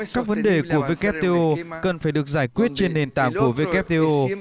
các vấn đề của wto cần phải được giải quyết trên nền tảng của wto